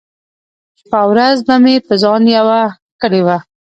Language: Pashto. شپه ورځ به مې په ځان يوه کړې وه .